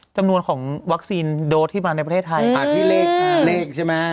จำนวนของโดสที่มาในประเทศไทยอืมอ่าที่เลขเลขใช่ไหม